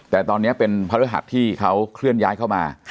แต่ตอนนี้เป็นพระฤหัสที่เขาเคลื่อนย้ายเข้ามา